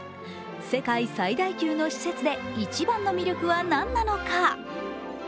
世界最大級の施設で一番の魅力はなんなのか。